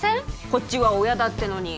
こっちは親だってのに